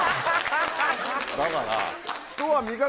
だから。